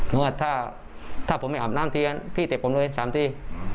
เพราะว่าถ้าผมไม่อาบน้ำทีพี่เตะผมเลย๓ที